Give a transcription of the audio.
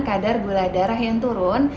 kadar gula darah yang turun